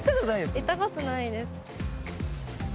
行ったことないです。